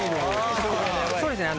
そうですね。